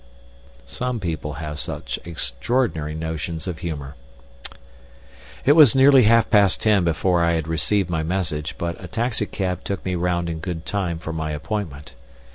Some people have such extraordinary notions of humor. It was nearly half past ten before I had received my message, but a taxicab took me round in good time for my appointment.